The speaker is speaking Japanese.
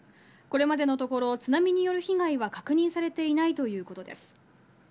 これまでのところ、津波による被害は確認されていないということです。